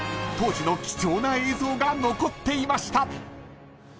［当時の貴重な映像が残っていました］